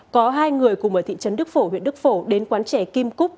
có hai người cùng ở thị trấn đức phổ huyện đức phổ đến quán trẻ kim cúc